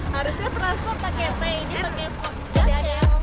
harusnya transport pake t ini pake v